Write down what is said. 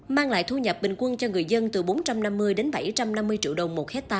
mang lại thu nhập bình quân cho người dân từ bốn trăm năm mươi đến hai trăm năm mươi đồng